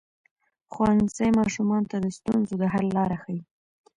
ښوونځی ماشومانو ته د ستونزو د حل لاره ښيي.